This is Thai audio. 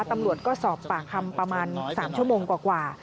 ตำรวจก็สอบปากคำประมาณ๓ชั่วโมงกว่า